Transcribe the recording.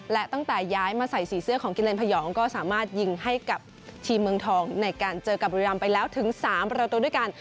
และตั้งแต่ย้ายมาใส่สีเสื้อของกิเลนพยองก็สามารถยิงให้กับทีมเมืองทองในการเจอกับบุรีรำไปแล้วถึง๓ประตูด้วยกัน